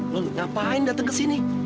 lalu ngapain datang ke sini